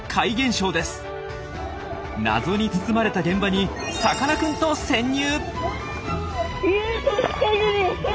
謎に包まれた現場にさかなクンと潜入！